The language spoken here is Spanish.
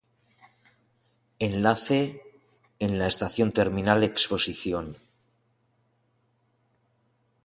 Enlace: en la estación Terminal Exposición.